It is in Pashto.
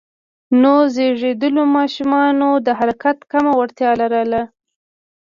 نوو زېږیدليو ماشومان د حرکت کمه وړتیا لرله.